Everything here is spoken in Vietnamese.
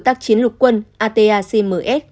tác chiến lục quân ata cms